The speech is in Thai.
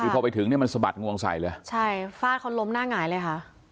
คือพอไปถึงเนี่ยมันสะบัดงวงใส่เลยใช่ฟาดเขาล้มหน้าหงายเลยค่ะ